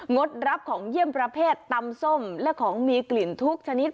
ดรับของเยี่ยมประเภทตำส้มและของมีกลิ่นทุกชนิด